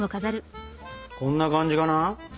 こんな感じかな。